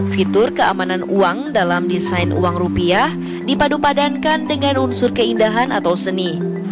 fitur keamanan uang dalam desain uang rupiah dipadu padankan dengan unsur keindahan atau seni